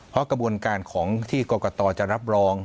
เพราะกระบวนการของที่กรกตจะรับรอง